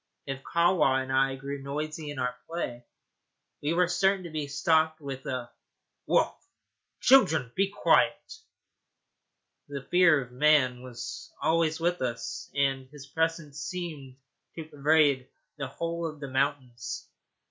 If Kahwa and I grew noisy in our play, we were certain to be stopped with a 'Woof, children! be quiet.' The fear of man was always with us, and his presence seemed to pervade the whole of the mountains.